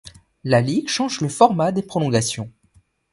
La ligue change le format des prolongations.